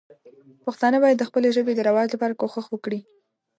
پښتانه باید د خپلې ژبې د رواج لپاره کوښښ وکړي.